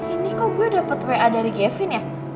ini kok gue dapet wa dari kevin ya